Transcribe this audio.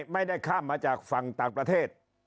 ไม่ได้ข้ามมาจากฝั่งต่างประเทศ